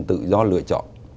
tự do lựa chọn